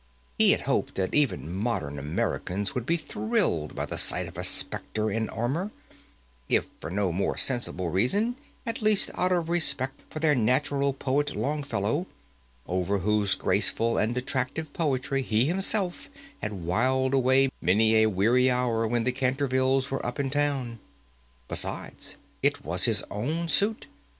He had hoped that even modern Americans would be thrilled by the sight of a Spectre in armour, if for no more sensible reason, at least out of respect for their natural poet Longfellow, over whose graceful and attractive poetry he himself had whiled away many a weary hour when the Cantervilles were up in town. Besides it was his own suit.